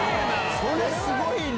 それ、すごいね。